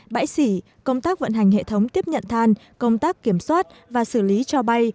bãi xỉ công tác vận hành hệ thống tiếp nhận than công tác kiểm soát và xử lý cho bay